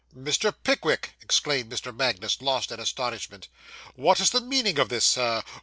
'Mr. Pickwick!' exclaimed Mr. Magnus, lost in astonishment, 'what is the meaning of this, Sir?